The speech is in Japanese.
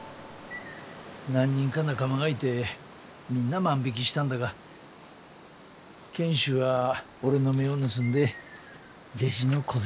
何人か仲間がいてみんな万引きしたんだが賢秀は俺の目を盗んでレジの小銭を。